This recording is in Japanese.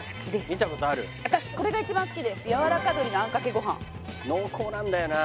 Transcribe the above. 見たことある私これが一番好きですやわらか鶏のあんかけご飯濃厚なんだよな